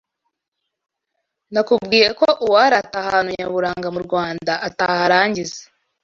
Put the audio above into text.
Nakubwiye ko uwarata ahantu nyaburanga mu Rwanda ataharangiza